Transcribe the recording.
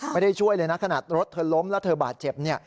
ไม่ได้ช่วยเลยนะขนาดรถเธอล้มแล้วเธอบาดเจ็บเนี่ย